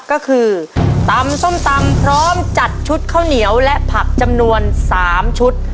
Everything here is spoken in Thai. ก็คือตำส้มตำพร้อมจัดชุดข้าวเหนียวและผักจำนวน๓ชุด